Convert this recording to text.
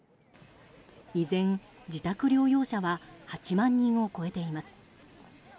依然、自宅療養者は８万人を超えています。